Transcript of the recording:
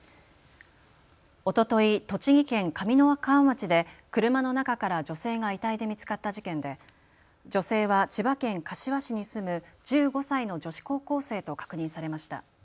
おととい栃木県上三川町で車の中から女性が遺体で見つかった事件で女性は千葉県柏市に住む１５歳の女子高校生と確認されました。